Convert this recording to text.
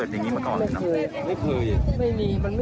ไม่มีมันไม่มีอาการอะไร